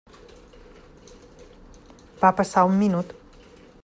Va passar un minut.